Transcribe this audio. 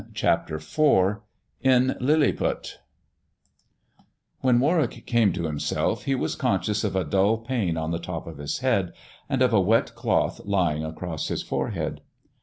CHAPTER IV IN LILLIPUT WHEN Warwick came to himself, he was conscious of a dull pain on the top of his head, and of a wet cloth lying across his forehead.